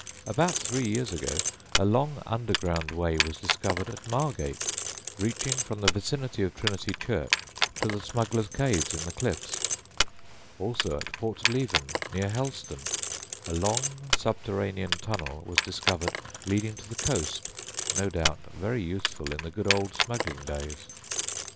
About three years ago a long underground way was discovered at Margate, reaching from the vicinity of Trinity Church to the smugglers' caves in the cliffs; also at Port Leven, near Helston, a long subterranean tunnel was discovered leading to the coast, no doubt very useful in the good old smuggling days.